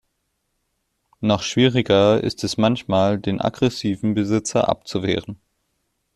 Noch schwieriger ist es manchmal, den aggressiven Besitzer abzuwehren.